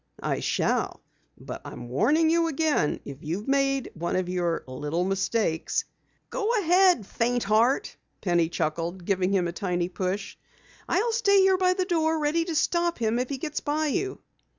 "I shall. But I'm warning you again, if you've made one of your little mistakes " "Go ahead, faint heart!" Penny chuckled, giving him a tiny push. "I'll stay here by the door ready to stop him if he gets by you."